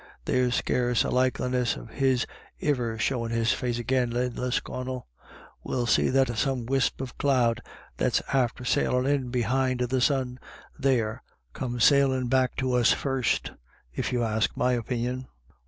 There's scarce a likeliness of his iver showin' his face agin in Lisconnel. We'll see that same wisp of cloud, that's after sailin' in behind the sun there, come sailin' back to us first — if you ask my opinion."